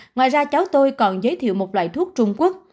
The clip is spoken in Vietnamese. ngoài ra cháu tôi còn giới thiệu một loại thuốc trung quốc